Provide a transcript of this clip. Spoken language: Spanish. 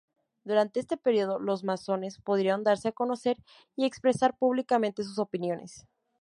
Durante este período los masones pudieron darse a conocer y expresar públicamente sus opiniones.